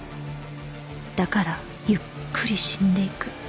「だからゆっくり死んでいく」